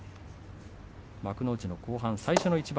幕内の後半、最初の一番。